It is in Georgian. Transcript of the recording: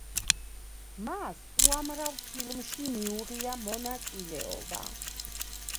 მას უამრავ ფილმში მიუღია მონაწილეობა.